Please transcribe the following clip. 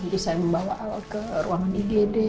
untuk membawa al ke ruangan igd